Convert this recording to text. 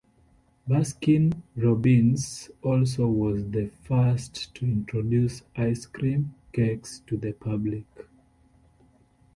Baskin-Robbins also was the first to introduce ice cream cakes to the public.